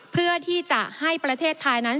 เพื่อที่จะให้ประเทศไทยนั้น